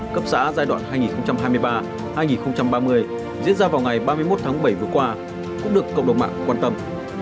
cấp xã giai đoạn hai nghìn hai mươi ba hai nghìn ba mươi diễn ra vào ngày ba mươi một tháng bảy vừa qua cũng được cộng đồng mạng quan tâm